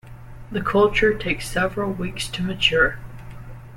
The culture takes several weeks to mature.